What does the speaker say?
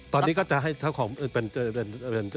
ตอนนี้ก็จะให้เจ้าของเป็น